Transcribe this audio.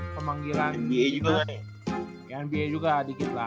pemanggilan nba juga kan ya nba juga dikit lah